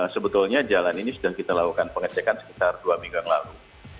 sebetulnya jalan ini sudah kita lakukan pengecekan sekitar dua minggu yang lalu